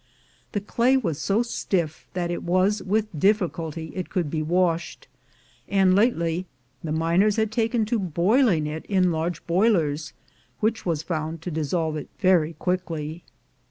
The clay was so stiff that it was with difficulty it could be washed, and lately the miners had taken to boiling it in large boilers, which was found to dissolve it very quickly.